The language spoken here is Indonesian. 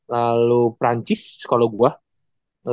lalu perancis kalau gue